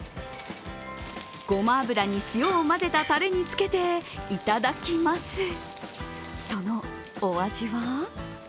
ごま油に塩を混ぜたたれにつけて、いただきます。